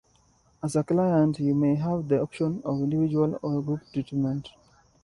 As a client, you may have the option of individual or group treatment.